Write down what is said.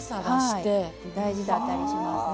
大事だったりしますね。